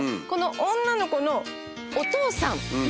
この女の子のお父さん